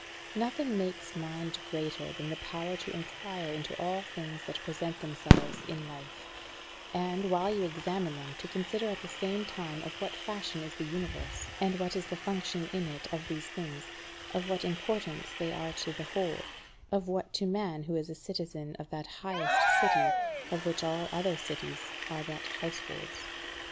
Nothing makes mind greater than the power to enquire into all things that present themselves in life; and, while you examine them, to consider at the same time of what fashion is the Universe, and what is the function in it of these things, of what importance they are to the whole, of what to man who is a citizen of that highest city of which all other cities are but households.